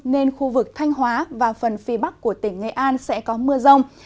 nên khu vực thanh hóa và phần phía bắc của tỉnh nghệ an sẽ có mưa rông